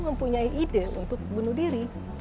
mempunyai ide untuk bunuh diri